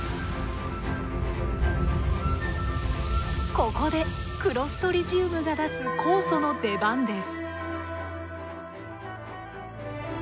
ここでクロストリジウムが出す酵素の出番です。